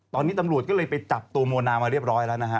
ตอนนี้ตำรวจก็เลยไปจับตัวโมนามาเรียบร้อยแล้วนะฮะ